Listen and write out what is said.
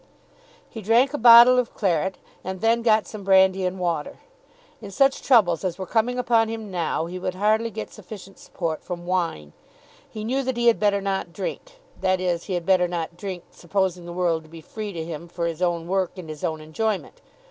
He drank a bottle of claret, and then got some brandy and water. In such troubles as were coming upon him now, he would hardly get sufficient support from wine. He knew that he had better not drink; that is, he had better not drink, supposing the world to be free to him for his own work and his own enjoyment.